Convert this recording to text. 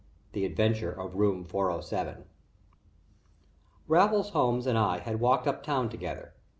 IX THE ADVENTURE OF ROOM 407 Raffles Holmes and I had walked up town together.